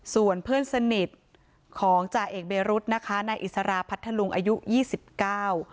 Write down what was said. ส่วนเพื่อนสนิทของจ่าเอกเบรุษนะคะนายอิสราพัทธลุงอายุยี่สิบเก้า